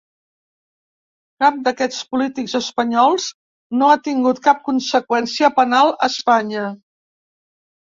Cap d’aquests polítics espanyols no ha tingut cap conseqüència penal a Espanya.